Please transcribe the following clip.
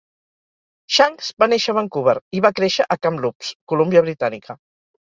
Shanks va néixer a Vancouver i va créixer a Kamloops (Colúmbia Britànica).